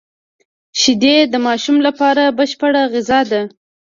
شیدې د ماشوم لپاره بشپړه غذا ده